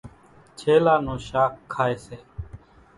ڇيلا نون شاک کائيَ سي۔